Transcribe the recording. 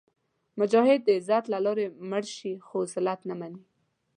مجاهد د عزت له لارې مړ شي، خو ذلت نه مني.